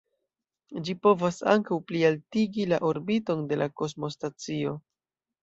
Ĝi povas ankaŭ plialtigi la orbiton de la kosmostacio.